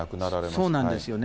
そうなんですよね。